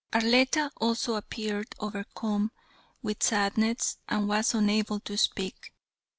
Arletta also appeared overcome with sadness, and was unable to speak.